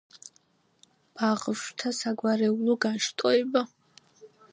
ბაღვაშთა საგვარეულო განშტოება.